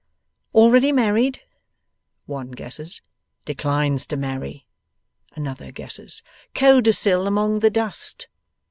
'Already married?' one guesses. 'Declines to marry?' another guesses. 'Codicil among the dust?